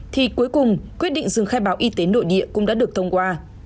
thì cuối cùng quyết định dừng khai báo y tế nội địa cũng đã được thông qua